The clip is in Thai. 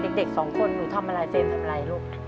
เด็กสองคนหนูทำอะไรเฟรมทำอะไรลูก